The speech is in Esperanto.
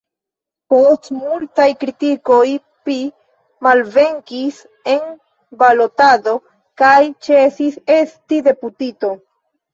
Post multaj kritikoj pi malvenkis en balotado kaj ĉesis esti deputito.